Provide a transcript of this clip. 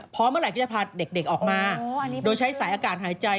เมื่อไหร่ก็จะพาเด็กออกมาโดยใช้สายอากาศหายใจ